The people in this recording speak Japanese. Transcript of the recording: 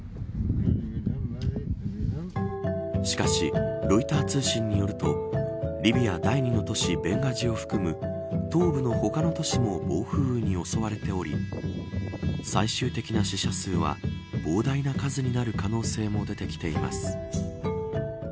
しかし、ロイター通信によるとリビア第２の都市ベンガジを含む東部の他の都市も暴風雨に襲われており最終的な死者数は膨大な数になる可能性も出てきています。